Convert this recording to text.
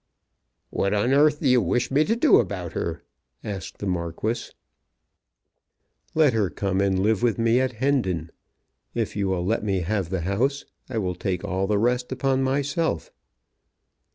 "What on earth do you wish me to do about her?" asked the Marquis. "Let her come and live with me at Hendon. If you will let me have the house I will take all the rest upon myself."